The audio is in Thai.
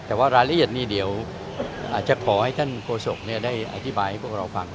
แต่ว่ารายละเอียดนี้เดี๋ยวอาจจะขอให้ท่านโฆษกได้อธิบายให้พวกเราฟัง